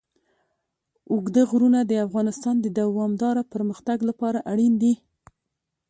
اوږده غرونه د افغانستان د دوامداره پرمختګ لپاره اړین دي.